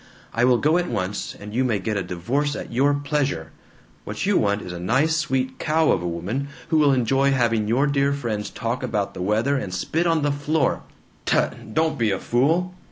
I will go at once, and you may get a divorce at your pleasure! What you want is a nice sweet cow of a woman who will enjoy having your dear friends talk about the weather and spit on the floor!" "Tut! Don't be a fool!"